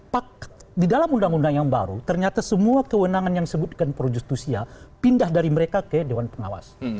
pak di dalam undang undang yang baru ternyata semua kewenangan yang disebutkan pro justusial pindah dari mereka ke dewan pengawas